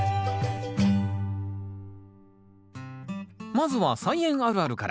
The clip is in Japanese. まずは「菜園あるある」から。